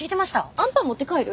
アンパン持って帰る？